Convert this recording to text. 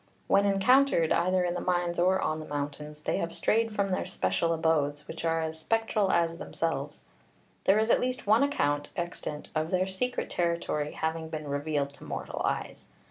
When encountered, either in the mines or on the mountains, they have strayed from their special abodes, which are as spectral as themselves. There is at least one account extant of their secret territory having been revealed to mortal eyes.